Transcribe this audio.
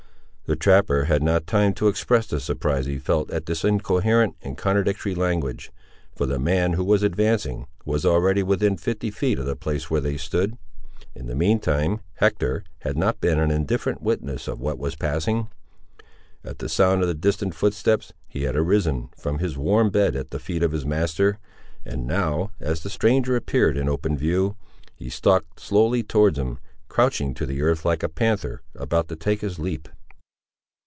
The trapper had not time to express the surprise he felt at this incoherent and contradictory language, for the man who was advancing, was, already, within fifty feet of the place where they stood.—In the mean time, Hector had not been an indifferent witness of what was passing. At the sound of the distant footsteps, he had arisen, from his warm bed at the feet of his master; and now, as the stranger appeared in open view, he stalked slowly towards him, crouching to the earth like a panther about to take his leap.